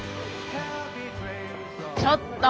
ちょっと！